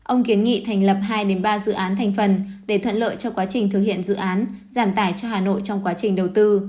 ông kiến nghị thành lập hai ba dự án thành phần để thuận lợi cho quá trình thực hiện dự án giảm tải cho hà nội trong quá trình đầu tư